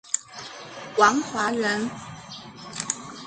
王华人。